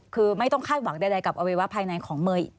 คือไม่ต้องคาดหวังใดกับอวัยวะภายในของเมย์อีก